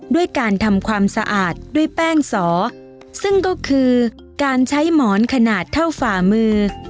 ด้วยการทำความสะอาดด้วยแป้งสอซึ่งก็คือการใช้หมอนขนาดเท่าฝ่ามือ